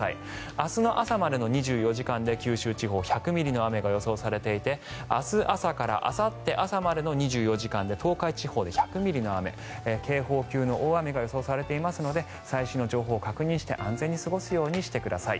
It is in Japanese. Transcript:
明日の朝までの２４時間で九州地方１００ミリの雨が予想されていて明日朝からあさって朝までの２４時間で東海地方で１００ミリの雨警報級の大雨が予想されていますので最新の情報を確認して安全に過ごすようにしてください。